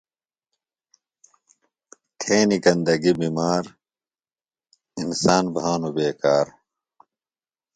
تھینیۡ گندگیۡ بِمار، انسان بھانوۡ بیکار